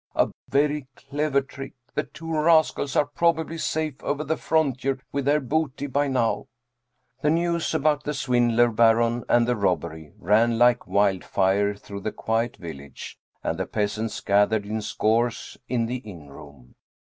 A very clever trick ! The two rascals are probably safe over the frontier with their booty by now !" The news about the swindler Baron and the robbery ran like wildfire through the quiet village, and the peasants gathered in scores in the inn room.